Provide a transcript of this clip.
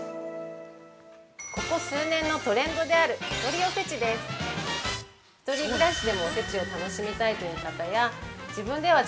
◆ここ数年のトレンドである１人おせちです。